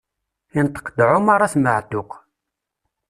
Inṭeq-d Ɛumeṛ At Maɛtuq.